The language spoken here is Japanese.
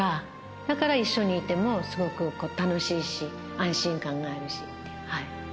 だから一緒にいても、すごく楽しいし、安心感があるしっていう。